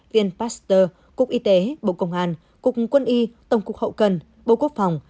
viện pasteur cục y tế bộ công an cục quân y tổng cục hậu cần bộ quốc phòng